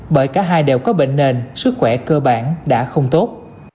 bởi cả hai đều có bệnh nền sức khỏe cơ bản đã không tốt